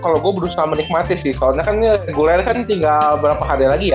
kalau gua berusaha menikmati sih soalnya kan guler tinggal berapa hari lagi ya